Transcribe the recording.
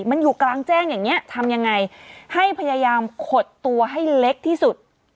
มันอยู่กลางแจ้งอย่างนี้ทำยังไงให้พยายามขดตัวให้เล็กที่สุด